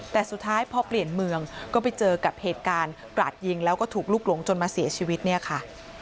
แต่สุดท้ายพอเปลี่ยนเมืองก็ไปเจอกับเหตุการณ์กราดยิงแล้วก็ถูกลุกหลงจนมาเสียชีวิตเนี่ยค่ะ